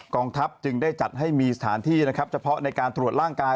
กองทัพจึงได้จัดให้มีสถานที่นะครับเฉพาะในการตรวจร่างกาย